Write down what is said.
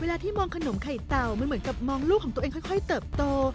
เวลาที่มองขนมไข่เต๋ามันเหมือนมองลูกของตั๊งตัวเองค่อยเติบโต